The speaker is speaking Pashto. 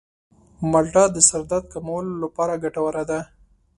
مالټه د سر درد کمولو لپاره ګټوره ده.